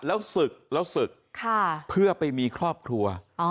แล้วศึกแล้วศึกเพื่อไปมีครอบครัว